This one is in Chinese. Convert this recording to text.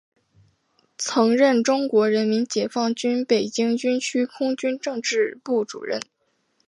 曾任中国人民解放军北京军区空军政治部主任。